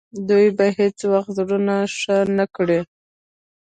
دوی به هیڅ وخت زړونه ښه نه کړي.